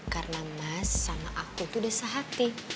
karena mas sama aku tuh udah sehati